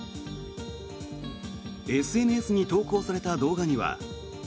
ＳＮＳに投稿された動画には。